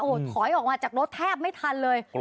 โอ้โหถอยออกมาจากรถแทบไม่ทันเลย